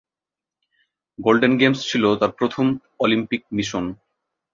London games ছিল তার প্রথম অলিম্পিক মিশন।